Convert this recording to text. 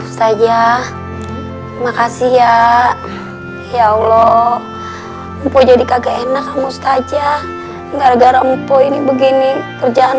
saya makasih ya ya allah jadi kagak enak mustahaja gara gara mpo ini begini kerjaan